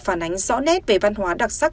phản ánh rõ nét về văn hóa đặc sắc